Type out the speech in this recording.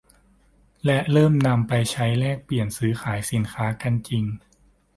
และเริ่มถูกนำไปใช้แลกเปลี่ยนซื้อขายสินค้ากันจริง